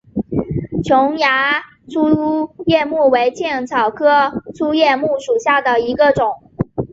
琼崖粗叶木为茜草科粗叶木属下的一个种。